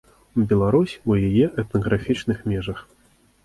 Беларусь у яе этнаграфічных межах.